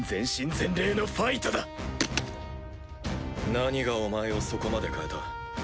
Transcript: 何がお前をそこまで変えた？